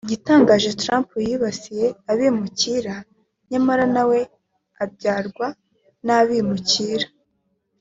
Igitangaje Trump yibasira abimukira nyamara nawe abyarwa n’abimukira